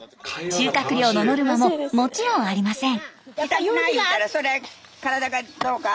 収穫量のノルマももちろんありません。